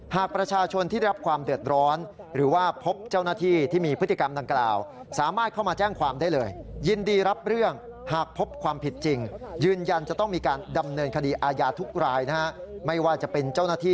หากประชาชนที่ได้รับความเดือดร้อน